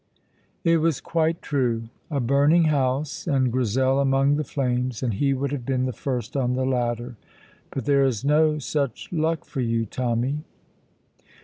It was quite true. A burning house and Grizel among the flames, and he would have been the first on the ladder. But there is no such luck for you, Tommy.